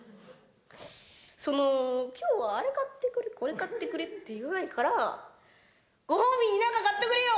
その、きょうはあれ買ってくれこれ買ってくれって言わないから、ご褒美になんか買ってくれよ！